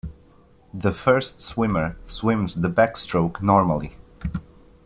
The first swimmer swims the backstroke normally.